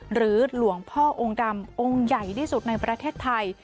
หรือหลวงพ่อองค์ดำองค์ใหญ่ที่สุดในประเทศไทย